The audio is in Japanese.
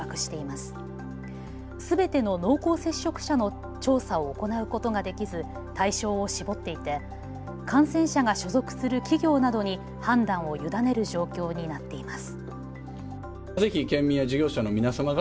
すべての濃厚接触者の調査を行うことができず対象を絞っていて感染者が所属する企業などに判断を委ねる状況になっています。